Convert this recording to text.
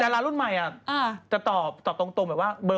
รารุ่นใหม่จะตอบตรงแบบว่าเบอร์